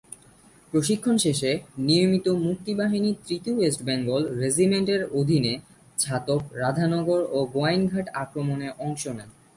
প্রশিক্ষণ শেষে নিয়মিত মুক্তিবাহিনীর তৃতীয় ইস্টবেঙ্গল রেজিমেন্টের অধীনে ছাতক, রাধানগর ও গোয়াইনঘাট আক্রমণে অংশ নেন।